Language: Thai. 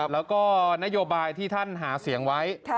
แล้วก็นโยบายที่ท่านหาเสียงไว้